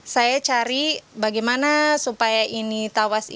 saya cari bagaimana supaya ini tawasnya